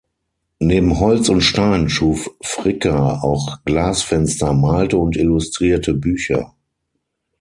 Neben Holz und Stein schuf Fricker auch Glasfenster, malte und illustrierte Bücher.